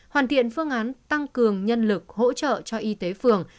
hoàn thiện phương án tăng cường nhân lực hỗ trợ cho y tế phường